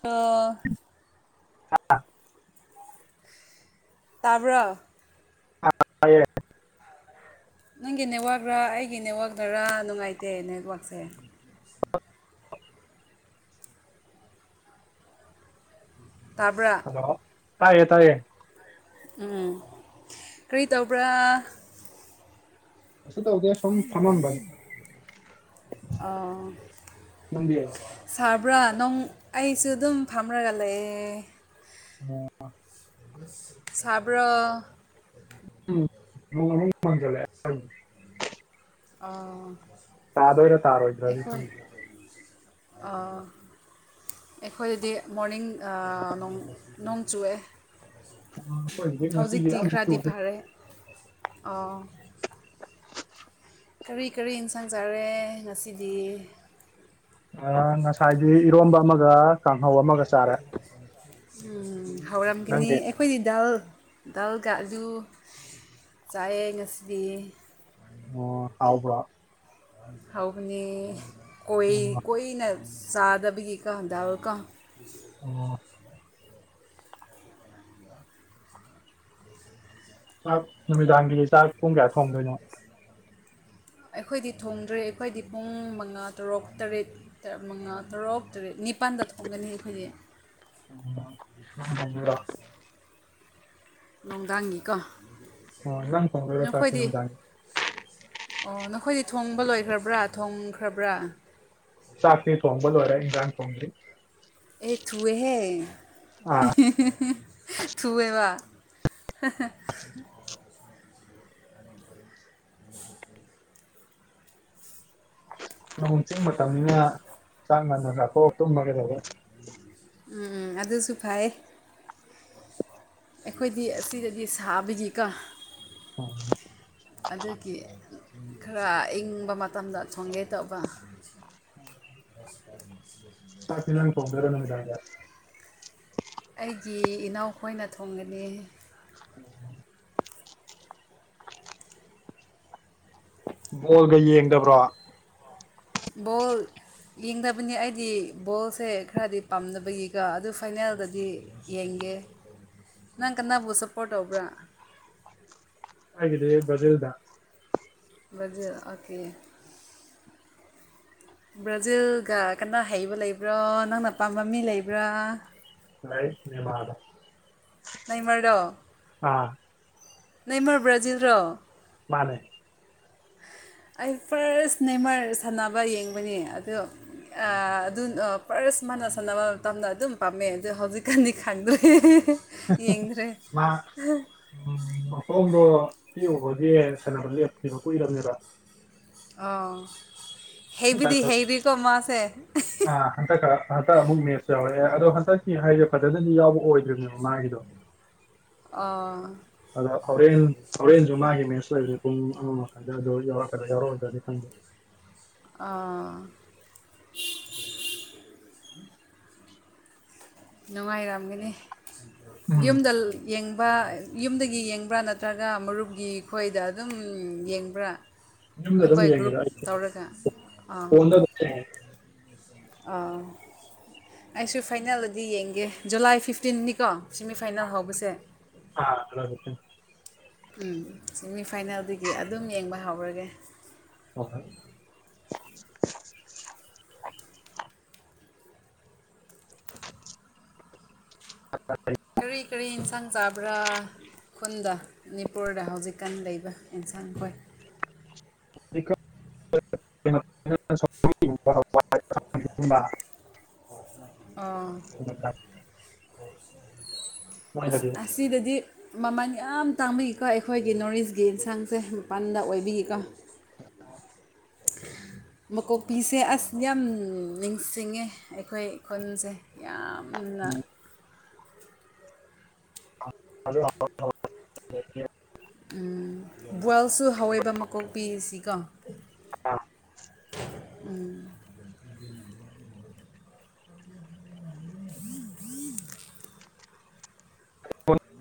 ꯆ [unintelligible] ꯇꯥꯕ꯭ꯔꯣ ꯑ [unintelligible] ꯅꯪꯒꯤ ꯅꯦꯠꯋꯥꯛꯔ ꯑꯩꯒꯤ ꯅꯦꯠꯋꯥꯛꯅꯔ ꯅꯨꯡꯉꯥꯏꯇꯦ ꯅꯦꯠꯋꯥꯛꯁꯦ ꯇꯥꯕ꯭ꯔꯥ ꯇꯥꯏꯌꯦ ꯇꯥꯏꯌꯦ ꯎꯝ ꯀ꯭ꯔꯤ ꯇꯧꯕ꯭ꯔꯥ ꯑꯁ ꯇ ꯑꯣꯒ ꯁꯣ ꯁꯃꯅꯕꯕꯤ ꯑꯣ ꯁꯥꯕ꯭ꯔꯥ ꯅꯪ ꯑꯩꯁꯨ ꯑꯗꯨꯝ ꯐꯝꯔꯒ ꯂꯩꯑꯦ ꯑꯣꯝ ꯁꯥꯕ꯭ꯔꯣ ꯎꯝ ꯃꯃ ꯐꯣꯟ ꯆꯂꯦ ꯎꯝ ꯑꯥ ꯇꯥꯗꯣꯏꯔꯥ ꯇꯥꯔꯣꯏꯗ꯭ꯔꯥꯗꯤ ꯈꯪꯗꯦ ꯑꯥ ꯑꯩꯈꯣꯏꯗꯗꯤ ꯃꯣꯔꯅꯤꯡ ꯅꯣꯡ ꯆꯨꯑꯦ ꯑꯩꯈꯣꯏꯒꯤꯗꯤ ꯉꯁꯤꯒꯤ ꯍꯧꯖꯤꯛꯇꯤ ꯑꯃꯨꯛ ꯈꯔꯗꯤ ꯆꯨꯗꯦ ꯐꯔꯦ ꯑꯥ ꯀꯔꯤ ꯀꯔꯤ ꯏꯟꯁꯥꯡ ꯆꯥꯔꯦ ꯉꯁꯤꯗꯤ ꯑ ꯉꯁꯥꯏꯗꯤ ꯏꯔꯣꯝꯕ ꯑꯃꯒ ꯀꯥꯡꯍꯧ ꯑꯃꯒ ꯆꯥꯔꯦ ꯍꯥꯎꯔꯥꯝ ꯀꯅꯤ ꯅꯪꯗꯤ ꯑꯩꯈꯣꯏꯗꯤ ꯗꯥꯜ ꯗꯥꯜꯒ ꯑꯂꯨ ꯆꯥꯏꯑ ꯉꯁꯤꯗꯤ ꯑꯣ ꯍꯥꯎꯕ꯭ꯔꯣ ꯍꯕꯅꯤ ꯀꯣꯏ ꯑꯣ ꯀꯣꯏꯅ ꯆꯥꯗꯕꯒꯤ ꯀꯗꯥꯜꯀ ꯑꯣ ꯆꯥꯛ ꯅꯨꯃꯤꯗꯥꯡꯒꯤꯗꯤ ꯆꯥꯛ ꯄꯨꯡ ꯀꯌꯥ ꯊꯣꯡꯗꯣꯏꯅꯣ ꯑꯩꯈꯣꯏꯗꯤ ꯊꯣꯡꯗ꯭ꯔꯦ ꯑꯩꯈꯣꯏꯗꯤ ꯄꯨꯡ ꯃꯉꯥ ꯇꯔꯨꯛ ꯇꯔꯦꯠ ꯃꯉꯥ ꯇꯔꯨꯛ ꯇꯔꯦꯠ ꯅꯤ ꯃꯄꯥꯟꯗ ꯊꯣꯛꯣꯡꯒꯅꯤ ꯑꯩꯈꯣꯏꯒꯤ ꯎ ꯣꯡꯗꯥꯡꯒꯤꯀꯣ ꯑꯣ ꯅꯝ ꯀꯣꯡ꯭ꯔꯦꯁꯦ ꯅꯝꯗ ꯍꯥꯏꯦ ꯑꯣ ꯅꯈꯣꯏꯗꯤ ꯊꯣꯡꯕ ꯂꯣꯏꯈ꯭ꯔꯕ꯭ꯔꯥ ꯊꯣꯡꯈ꯭ꯔꯕ꯭ꯔꯥ ꯁꯥꯥꯛꯅꯤ ꯊꯣꯡꯕꯣꯜ ꯋꯥꯔꯦ ꯏꯟꯖꯥꯡ ꯊꯣꯡ꯭ꯔꯤ ꯑꯦꯊꯨꯑ ꯍꯦ ꯑꯥ ꯊꯕꯩꯕ ꯅꯣꯡꯣꯡ ꯆꯤꯡ ꯃꯇꯝꯅꯤꯅ ꯆꯥꯛ ꯉꯟꯅ ꯆꯥꯊꯣꯛꯑ ꯇꯨꯝꯃꯒꯩꯗꯧꯕꯔꯦ ꯎꯝ ꯎꯝ ꯑꯗꯨꯁꯨ ꯐꯩ ꯑꯩꯈꯣꯏꯗꯤ ꯑꯁꯤꯗꯗꯤ ꯁꯥꯕꯒꯤꯀ ꯍ ꯑꯗꯨꯒꯤ ꯈꯔ ꯏꯪꯕ ꯃꯇꯝꯗ ꯊꯣꯡꯒꯦ ꯇꯧꯕ ꯑ ꯄꯃꯤ ꯄꯒꯦꯔ ꯅꯃꯤꯔ ꯌꯥꯦ ꯑꯩꯒꯤ ꯏꯅꯥꯎꯈꯣꯏꯅ ꯊꯣꯡꯒꯅꯤ ꯍ ꯕꯣꯜꯒ ꯌꯦꯡꯗꯕ꯭ꯔꯣ ꯣꯜ ꯌꯦꯡꯗꯕꯅꯤ ꯑꯩꯗꯤ ꯕꯣꯜꯁꯦ ꯈꯔꯗꯤ ꯄꯥꯝꯅꯕꯒꯤꯒ ꯑꯗꯨ ꯐꯥꯏꯅꯦꯜꯗꯗꯤ ꯌꯦꯡꯒꯦ ꯅꯪ ꯀꯅꯥꯕꯨ ꯁꯞꯄꯣꯔꯠ ꯇꯧꯕ꯭ꯔꯥ ꯍꯥꯏꯗꯤ ꯖꯦꯜꯗ ꯔꯖꯦ ꯑꯀꯦ ꯕ꯭ꯔꯥꯖꯤꯜꯒ ꯀꯟꯅ ꯍꯩꯕ ꯂꯩꯕ꯭ꯔꯣ ꯅꯪꯅ ꯄꯥꯝꯕ ꯃꯤ ꯂꯩꯕ꯭ꯔꯥ ꯍ ꯃꯗ ꯅꯃꯔꯗꯣ ꯑꯥ ꯅꯃꯔ ꯕ꯭ꯔꯥꯖꯤꯜꯔꯣ ꯃꯥꯅꯦ ꯑꯩ ꯐꯥꯔꯁ ꯅꯦꯃꯔ ꯁꯥꯟꯅꯕ ꯌꯦꯡꯕꯅꯦ ꯑꯗꯣ ꯑꯗꯨ ꯄ꯭ꯔꯁ ꯃꯥꯅ ꯁꯥꯟꯅꯕ ꯃꯇꯝꯅ ꯑꯗꯨꯝ ꯄꯥꯝꯃꯦ ꯑꯗꯣ ꯍꯧꯖꯤꯛꯀꯥꯟꯗꯤ ꯈꯪꯗꯣꯏ ꯌꯦꯡ ꯎꯝ ꯃꯈꯣꯡꯗꯣ ꯄ ꯎꯕꯒꯤ ꯁꯥꯟꯅꯕ ꯂꯦꯞꯈꯤꯕ ꯀꯨꯏꯔꯕꯅꯤꯕ ꯑꯣ ꯍꯟꯗꯛ ꯍꯦꯕꯤꯗꯤ ꯈꯛ ꯍꯦꯗꯤ ꯀꯃꯣꯁꯦ ꯑꯥ ꯍꯟꯗꯛ ꯍꯟꯗꯛ ꯑꯃꯨꯛ ꯃꯦꯠꯁꯨ ꯌꯥꯎꯔꯦ ꯑꯗꯣ ꯍꯟꯗꯛꯀꯤ ꯍꯥꯏꯁꯦ ꯐꯖꯅꯗꯤ ꯌꯥꯎꯕ ꯑꯣꯏꯗ꯭ꯔꯤꯅꯦꯕ ꯃꯥꯒꯤꯗꯣ ꯑ ꯑꯗ ꯍꯣꯔꯦꯟ ꯍꯣꯔꯦꯟꯁꯨ ꯃꯥꯒꯤ ꯃꯦꯁ ꯑꯣꯏꯕꯁꯦ ꯄꯨꯡ ꯑꯃ ꯃꯈꯥꯏꯗ ꯑꯗꯨ ꯌꯥꯎꯔꯛꯀꯗ ꯌꯥꯎꯔꯛꯑꯣꯣꯏꯗ꯭ꯔꯗꯤ ꯈꯪꯗꯦ ꯑꯥ ꯅꯨꯡꯉꯥꯏꯔꯝꯒꯅꯤ ꯎꯝ ꯌꯨꯝꯗ ꯌꯦꯡꯕ ꯌꯨꯝꯗꯒꯤ ꯌꯦꯡꯕ꯭ꯔꯥ ꯅꯠꯇ꯭ꯔꯒ ꯃꯔꯨꯞꯀꯤ ꯈꯣꯏꯗ ꯑꯗꯨꯝ ꯌꯦꯡꯕ꯭ꯔꯥ ꯌꯨꯝꯗ ꯑꯗꯨꯝ ꯅꯈꯣꯏ ꯒ꯭ꯔꯨꯞ ꯌꯦꯡꯉꯤꯗ ꯑꯩ ꯇꯧꯔꯒ ꯑꯥ ꯐꯣꯟꯗ ꯑꯗꯨꯝ ꯌꯦꯡꯉꯦ ꯑ ꯑꯩꯁꯨ ꯐꯥꯏꯅꯦꯜꯗꯗꯤ ꯌꯦꯡꯒꯦ ꯖꯨꯂꯥꯏ ꯐꯤꯐꯇꯤꯟꯅꯤꯀꯣ ꯁꯤꯦꯃꯤꯐꯥꯏꯅꯦꯜ ꯍꯧꯕꯁꯦ ꯑꯥ ꯎꯝ ꯁꯦꯃꯤꯐꯥꯏꯅꯦꯜꯗꯒꯤ ꯑꯗꯨꯝ ꯌꯦꯡꯕ ꯍꯧꯔꯒꯦ ꯍꯣꯏ ꯍꯣꯏ ꯑ ꯀꯔꯤ ꯀꯔꯤ ꯑꯦꯟꯁꯥꯡ ꯆꯥꯕ꯭ꯔꯥ ꯈꯨꯟꯗ ꯃꯅꯤꯄꯨꯔꯗ ꯍꯧꯖꯤꯛꯀꯥꯟ ꯂꯩꯕ ꯑꯦꯟꯁꯥꯡꯈꯣꯏ [unintelligible] ꯑꯥ [unintelligible] ꯑꯁꯤꯗꯗꯤ ꯃꯃꯜ ꯌꯥꯝ ꯇꯥꯡꯕꯤꯀꯣ ꯑꯩꯈꯣꯏꯒꯤ ꯅꯣꯔ ꯏꯁꯀꯤ ꯌꯦꯟꯁꯥꯡꯁꯦ ꯃꯄꯥꯟꯗ ꯑꯣꯏꯕꯤꯌꯦꯀꯣ ꯑ ꯃꯀꯣꯛꯄꯤꯁꯦ ꯑꯁ ꯌꯥꯝ ꯅꯤꯡꯁꯤꯡꯉꯦ ꯑꯩꯈꯣꯏ ꯈꯨꯟꯁꯦ ꯌꯥꯝꯅ ꯎꯝ ꯑꯗꯨ ꯕꯣꯏꯜꯁꯨ ꯍꯥꯎꯋꯏꯕ ꯃꯀꯣꯛ ꯄꯤꯁꯤ ꯀꯣ ꯑꯥ ꯎꯝ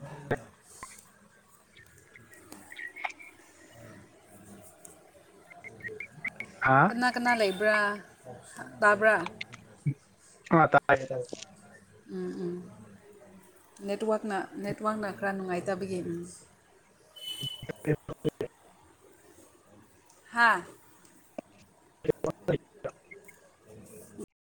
ꯌ ꯎ ꯍꯥꯥ ꯀꯅꯥ ꯀꯅꯥ ꯂꯩꯕ꯭ꯔꯥ ꯇꯕ꯭ꯔꯥ ꯑ ꯇꯥꯏꯌꯦ ꯇꯥꯏꯌꯦ ꯎꯝ ꯎꯝ ꯅꯦꯠꯋꯥꯛꯅ ꯅꯦꯠꯋꯥꯛꯅ ꯈꯔ ꯅꯨꯡꯉꯥꯏꯇꯕꯒꯤ ꯎꯝ [unintelligible] ꯍꯥꯥ [unintelligible] [unintelligible]